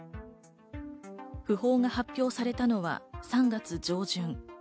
訃報が発表されたのは３月上旬。